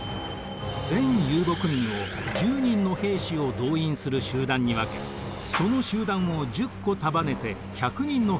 全遊牧民を１０人の兵士を動員する集団に分けその集団を１０個束ねて１００人の兵士を出す集団にしました。